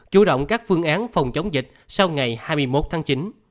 chủ động các phương án phòng chống dịch sau ngày hai mươi một tháng chín